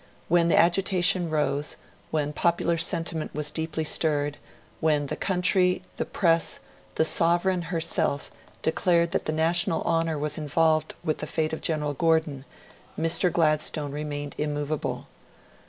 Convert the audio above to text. When the agitation rose, when popular sentiment was deeply stirred, when the country, the Press, the Sovereign herself, declared that the national honour was involved with the fate of General Gordon, Mr. Gladstone remained immovable.